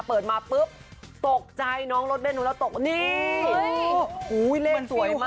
เปิดมาปุ๊บตกใจน้องรถเบ้นหนูแล้วตกนี่โอ้โหฮูเลขสวยมาก